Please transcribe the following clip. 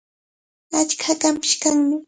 Achka hakanpish kanmi.